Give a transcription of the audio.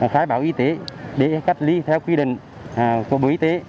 khai báo y tế để cách ly theo quy định của bộ y tế